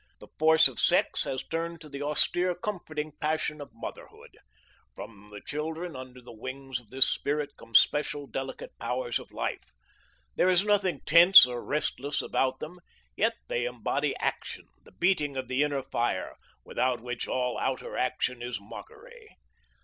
The force of sex has turned to the austere comforting passion of motherhood. From the children, under the wings of this spirit, come special delicate powers of life. There is nothing tense or restless about them, yet they embody action, the beating of the inner fire, without which all outer action is mockery.